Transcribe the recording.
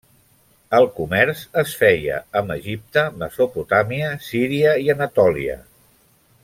El comerç es feia amb Egipte, Mesopotàmia, Síria i Anatòlia.